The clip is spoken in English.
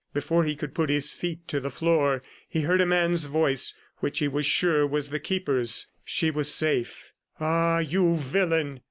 Before he could put his feet to the floor he heard a man's voice, which he was sure was the Keeper's; she was safe. "Ah, you villain!"